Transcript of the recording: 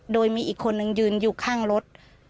โดยมีอีกคนนึงยืนอยู่ข้างรถ